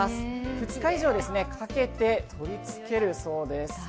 ２日以上かけて取り付けるそうです